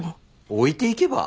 置いていけば？